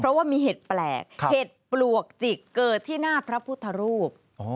เพราะว่ามีเห็ดแปลกเห็ดปลวกจิกเกิดที่หน้าพระพุทธรูป